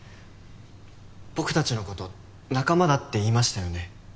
僕たちの事仲間だって言いましたよね。